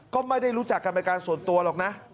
ก็ไม่ได้รู้จักกันเป็นการส่วนตัวหรอกนะ